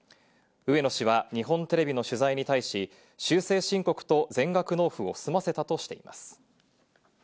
植野氏は日本テレビの取材に対し、修正申告と全額納付を済ませたとしています。